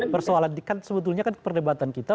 persoalan ini kan sebetulnya kan perdebatan kita